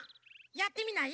やってみない？